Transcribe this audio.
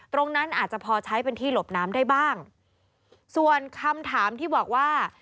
ตรงนั้นอาจจะพอใช้เป็นที่หลบน้ำได้บ้างส่วนคำถามที่บอกว่า